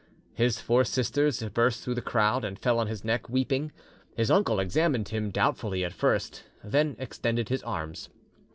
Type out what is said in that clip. His four sisters burst through the crowd and fell on his neck weeping; his uncle examined him doubtfully at first, then extended his arms.